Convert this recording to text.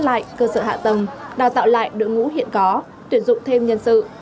tập trung giá soát lại cơ sở hạ tầm đào tạo lại đội ngũ hiện có tuyển dụng thêm nhân sự